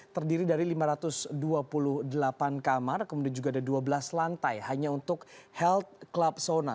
terdiri dari lima ratus dua puluh delapan kamar kemudian juga ada dua belas lantai hanya untuk health club sona